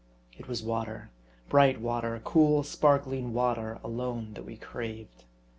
It was water, bright water, cool, sparkling water, alone, that we craved.